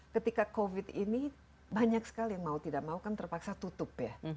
ketika covid ini banyak sekali yang mau tidak mau kan terpaksa tutup ya